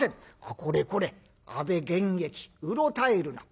「これこれ阿部玄益うろたえるな。